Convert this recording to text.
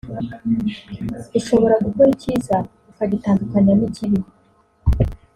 ushobora gukora icyiza ukagitandukanya n’ikibi